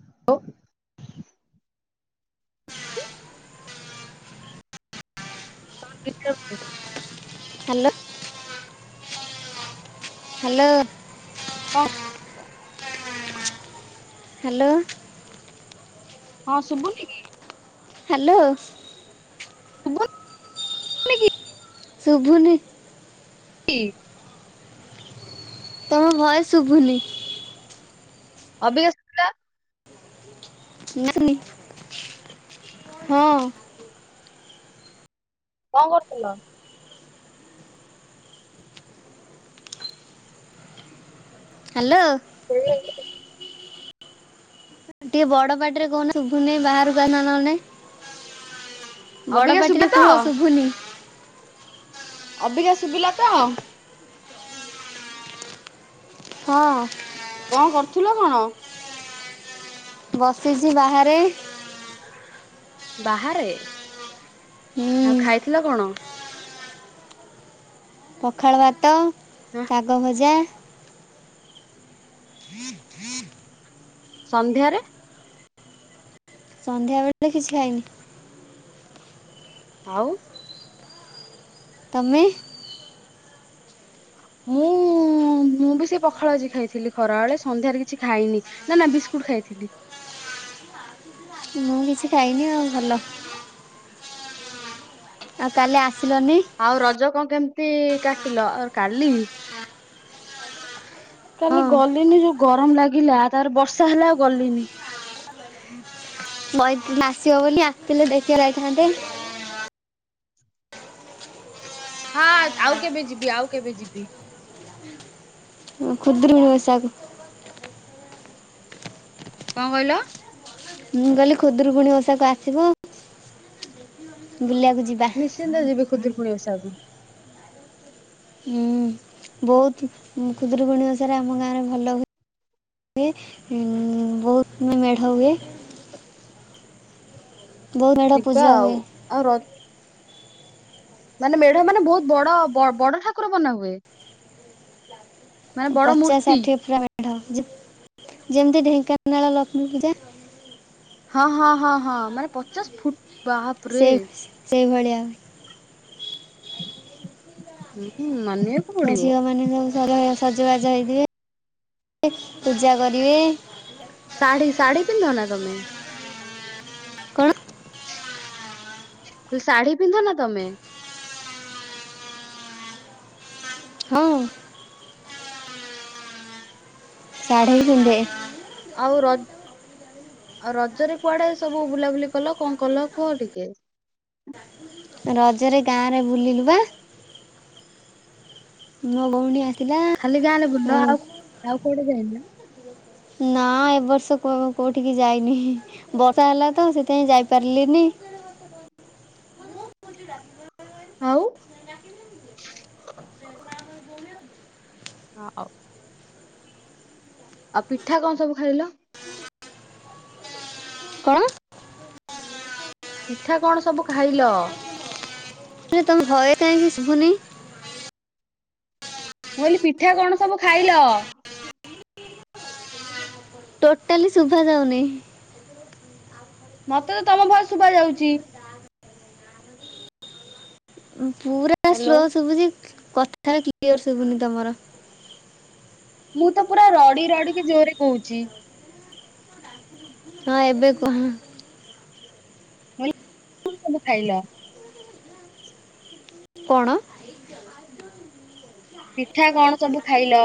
[unintelligible] [unintelligible] Hello hello ହଁ hello ହଁ ଶୁଭୁନିକି? ହ୍ୟାଲୋ ଶୁଭୁ ନିକ ଶୁଭୁନି [unintelligible] ତମ ଭଏସ ଶୁଭୁନି। ଅବିକା ଭିଲା? [unintelligible] ହଁ। କଣ କରୁଥିଲ? ହ୍ୟାଲୋ [unintelligible] ଟିକେ ବଡ ପାଟିରେ କହୁନ ଶୁଭୁନି ବାହାରାକୁ ଆଉନା ନହନେ। ବଡ ଅବିକା ଶୁଭା ପାଟିରେ ତ କୁହ ଶୁଭୁନି। ଅବିକା ଶୁଭିଲା ତ? ହଁ। କଣ କରୁଥିଲ କଣ? ବସିଚି ବାହାରେ। ବାହାରେ ଆଉ ହୁଁ ଖାଇଥିଲ କଣ? ପଖାଳ ଭାତ, ହଁ ଶାଗ ଭଜା ସନ୍ଧ୍ୟାରେ? ସନ୍ଧ୍ୟାବେଳେ କିଛି ଖାଇନି। ଆଉ ତମେ? ମୁଁ ହ ମୁଁ ବି ସେ ପଖାଳ ଆଜି ଖାଇଥିଲି ଖରା ବେଳେ ସନ୍ଧ୍ୟାରେ କିଛି ଖାଇନି ନା ନା ବିସ୍କୁଟ ଖାଇଥିଲି। ମୁଁ କିଛି ଖାଇନି ଆଉ ଭଲ। ଆଉ କାଲି ଆସିଲନି? ଆଉ ରଜ କଣ କେମିତି କାଟିଲ? ଅ କାଲି ହଁ କାଲି ଗଲିନି ଯୋଉ ଗରମ ଲାଗିଲା ତାରେ ବର୍ଷା ହେଲା ଆଉ ଗଲିନି। କହିଥିଲ ଆସିବ ବୋଲି ଆସିଥିଲେ ଦେଖି ଯାଇଥାନ୍ତେ। ହଁ ଆଉ କେବେ ଯିବି ଆଉ କେବେ ଯିବି। ଖୁଦରୁକୁଣୀ ଓଷା କୁ। କଣ କହିଲ? ମୁଁ କହିଲି ଖୁଦୁରୁକୁୁଣୀ ଓଷାକୁ ଆସିବ। ବୁଲିବାକୁ ଯିବା। ନିଶ୍ଚିନ୍ତ ଯିବି ଖୁଦରୁକୁଣିଓସାକୁ। ହୁଁ ବହୁତ ଖୁଦୁରୁକୁୁଣି ଓସାରେ ଆମ ଗାଁରେ ଭଲ ହୁଏ। ହୁଏ ଉଁ ବହୁତ ବି ମେଢ ହୁଏ। ବହୁତ ମେଢ଼ ଯିବା ପୂଜା ଆଉ ହୁଏ ଆଉ ର ମାନେ ମେଢ ମାନେ ବହୁତ ବଡ ବଡ ଠାକୁର ବନାହୁୁଏ? ହଁ ଲୁ [inaudible] ପଚାଶ ମୂର୍ତ୍ତି ଷାଠିଏ ପୁରା ମେଢ ଯି ଯେମିତି ଢେଙ୍କାନାଳ ଲକ୍ଷ୍ମୀ ପୂଜା। ହଁ ହଁ ହଁ ହଁ ମାନେ ପଚାଶ ଫୁ ସେଇ ସେଇଭଳିଆ ହୁଁ ହୁଁ ମାନିବା ଆ ଝିଅ ମାନେ ସବୁ ସଜବାଜ ହେଇଥିବେ ପୂଜା କରିବେ। ସାଢି ସାଢିପିନ୍ଧ ନା ତମେ? କ'ଣ କୁ ଶାଢୀ ପିନ୍ଧ ନା ତମେ? ହଁ। ଶାଢ଼ୀ ବି ପିନ୍ଧେ। ଆଉ ର ଆଉ ରଜରେ କୁଆଡେ ସବୁ ବୁଲାବୁଲି କଲ କଣ କଲ କୁହ ଟିକେ? ରଜରେ ଗାଁ ରେ ବୁଲିଲୁ ବା। ମୋ ଭଉଣୀ ଆସ ଖାଲି ଗାଁଲେେ ବୁଲ ଆଉ ଆଉ କୋଉଠି ଯାଇନ? ନା ଏ ବର୍ଷ କୋଉଠିକି ଯାଇନି ବର୍ଷା ହେଲା ତ ସେଥିପାଇଁ ଯାଇପାରିଲିନି। ଆଉ ହଉ। ଆଉ ପିଠା କଣ ସବୁ ଖାଇଲ? କଣ ପିଠା କଣ ସବୁ ଖାଇଲ? ତମେ ଭଏସ ଟା ଏମିତି ଶୁବୁନି? ମୁଁ କହିଲି ପିଠା କଣ ସବୁ ଖାଇଲ? ଟୋଟାଲି ଶୁଭା ଯାଉନି। ମତେ ତ ତମ ଭୟସ ଶୁବାଯାଉଛି। ପୁରା ସ୍ଲୋ ହ୍ୟାଲୋ। ଶୁଭୁଛି କଥାରେ କ୍ଲିୟର ଶୁଭୁନି ତମର। ମୁଁ ତ ପୁରା ରଡି ରଡିିକି ଜୋରେ କହୁଛି। ହଁ ଏବେ କୁହ। କଅଁ ସବୁ ଖାଇଲ? କଣ? ପିଠା କଣ ସବୁ ଖାଇଲ?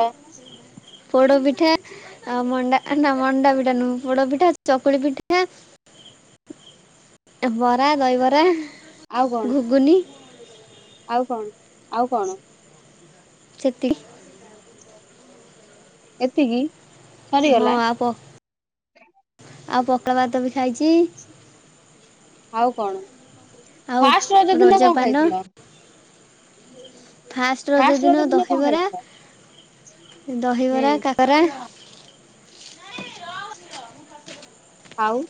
ପୋଡ଼ ପିଠା ଆଉ ମଣ୍ଡା ଆ ନା ମଣ୍ଡା ପିଠା ନୁ, ପୋଡ ପିଠା, ଚକୁଳି ପିଠା ଏ ବରା, ଦହବରା, ଆଉ କଣ ଘୁଗୁନି ଆଉ କଣ, ଆଉ କଣ? ସେତିକି। ଏତିକି? ହଁ ସରିଗଲା ଆଉ ପ, ଆଉ ପକାଳ ବାତ ବି ଖାଇଛି ଆଉ କଣ, ଫାଷ୍ଟ ରଜ ଦିନ କଣ ଖାଇଥିଲ? ହ ଫାଷ୍ଟ ରଜ ଦିନ ଦହିବରା, ହୁଁ ଦହିବରା, କାକରା ଆଉ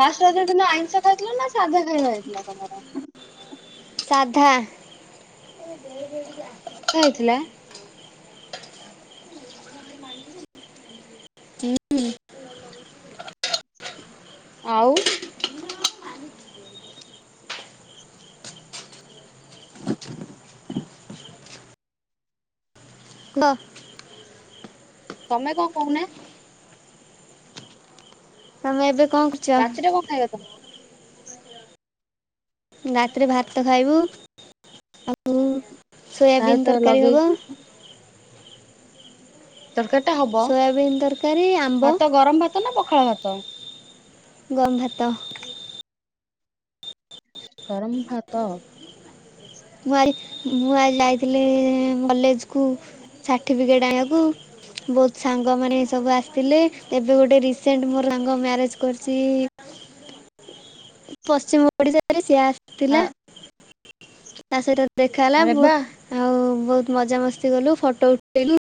ଫାଷ୍ଟ ରଜ ଦିନ ଆଇଁଷ ଖାଇଥିଲ ନା, ସାଧା ଖାଇବା ହେଇଥିଲା ତମର? ସାଧା। ସାଧା ହେଇଥିଲା? ମ ଉଁ ଉଁ ଆଉ [unintelligible] ତମେ କଣ କହୁନା? ତମେ ଏବେ କଣ କର ରାତିରେ କଣ ଖାଇବ ତମେ? ରାତିରେ ଭାତ ଖାଇବୁ ଆଉ ତା ସୋୟାବିନ୍ ସହିତ ତରକାରୀ ହବ ଲଗେଇକି ତରକାରୀଟା ହବ? ସୋୟାବିନ୍ ତରକାରୀ ଆମ୍ବ ଭାତ ଗରମ ଭାତ ନା ପଖାଳ ଭାତ? ଗମ୍ ଭାତ। ଗରମ୍ ଭାତ। ମୁଁ ଆଇ ମୁଁ ଆଜି ଯାଇଥିଲି ଇ ମଲେଜକୁ, ସାର୍ଟିଫିକେଟ ଆଣିଆକୁ ବହୁତ ସାଙ୍ଗମାନେ ଏ ସବୁ ଆସିଥିଲେ। ଏବେ ଗୋଟେ ରିସେଣ୍ଟ ମୋ ସାଙ୍ଗ ମ୍ୟାରେଜ କରିଛି ସିଏ ପଶ୍ଚିମ ଓଡିଶାରେ, ସିଏ ଆ ଆସିଥିଲା। ତା ସହିତ ଦେଖା ହେଲା ଆରେ ବହୁ ବା ଆଉ ବହୁତ ମଜାମସ୍ତି କଲୁ, ଫଟୋ ଉଠେଇଲୁ